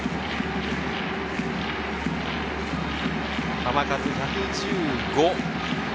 球数１１５。